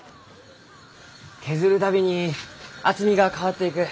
削る度に厚みが変わっていく。